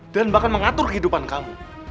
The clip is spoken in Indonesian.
dan bahkan mengatur kehidupan kamu